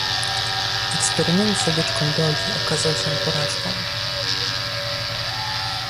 Eksperyment z owieczką Dolly okazał się porażką